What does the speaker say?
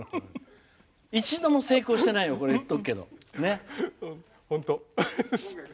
一度も成功してないよ言っておくけど。